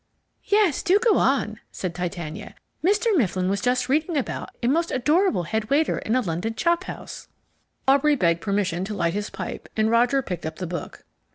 "Yes, do go on," said Titania. "Mr. Mifflin was just reading about a most adorable head waiter in a London chop house." Aubrey begged permission to light his pipe, and Roger picked up the book.